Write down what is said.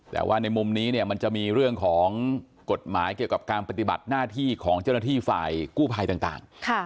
แต่ว่าในมุมนี้เนี่ยมันจะมีเรื่องของกฎหมายเกี่ยวกับการปฏิบัติหน้าที่ของเจ้าหน้าที่ฝ่ายกู้ภัยต่าง